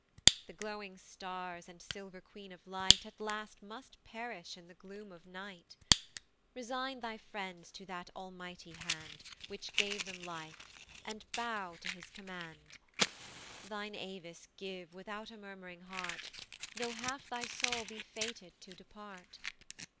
The glowing stars and silver queen of light At last must perish in the gloom of night: Resign thy friends to that Almighty hand, Which gave them life, and bow to his command; Thine Avis give without a murm'ring heart, Though half thy soul be fated to depart.